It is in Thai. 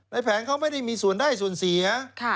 แผงเขาไม่ได้มีส่วนได้ส่วนเสีย